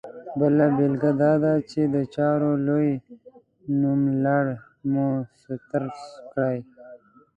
بله بېلګه دا ده چې د چارو لوی نوملړ مو سټرس کړي.